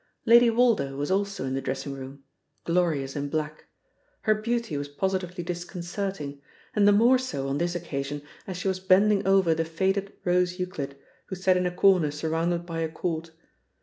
Lady Woldo was also in the dressing room, glorious in black. Her beauty was positively disconcerting, and the more so on this occasion as she was bending over the faded Rose Euclid, who sat in a corner surrounded by a court.